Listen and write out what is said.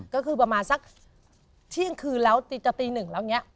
ก็คือประมาณสักเที่ยงคืนแล้วจะตีหนึ่งแล้วอย่างนี้